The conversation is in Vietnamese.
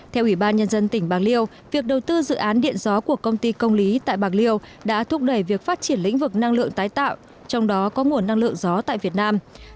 theo ủy ban nhân dân tỉnh bạc liêu việc đầu tư dự án điện gió của công ty công lý tại bạc liêu đã thúc đẩy việc phát triển lĩnh vực năng lượng tái tạo trong đó có nguồn năng lượng gió tại việt nam